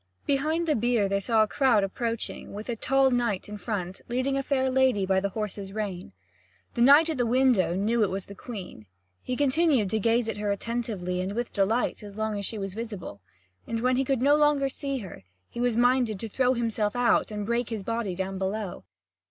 Behind the bier they saw a crowd approaching, with a tall knight in front, leading a fair lady by the horse's rein. The knight at the window knew that it was the Queen. He continued to gaze at her attentively and with delight as long as she was visible. And when he could no longer see her, he was minded to throw himself out and break his body down below.